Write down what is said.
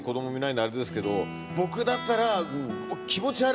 僕だったら。